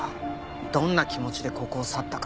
どんな気持ちでここを去ったか。